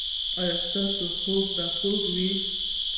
ایا ستاسو خوب به خوږ وي؟